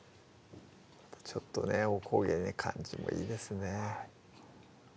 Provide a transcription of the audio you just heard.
ちょっとねおこげの感じもいいですね